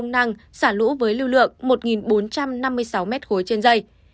sông hình xả lũ với lưu lượng một bốn trăm năm mươi sáu m ba trên dây